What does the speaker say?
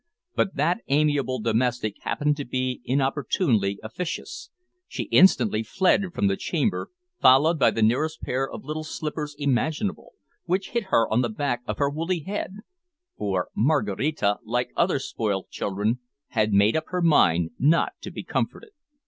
But that amiable domestic happened to be inopportunely officious; she instantly fled from the chamber, followed by the neatest pair of little slippers imaginable, which hit her on the back of her woolly head, for Maraquita, like other spoilt children, had made up her mind not to be comforted.